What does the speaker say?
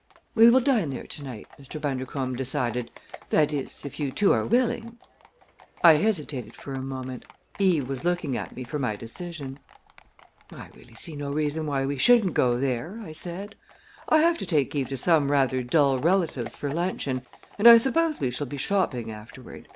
"We will dine there to night," Mr. Bundercombe decided, "that is, if you two are willing." I hesitated for a moment. Eve was looking at me for my decision. "I really see no reason why we shouldn't go there," I said. "I have to take Eve to some rather dull relatives for luncheon, and I suppose we shall be shopping afterward.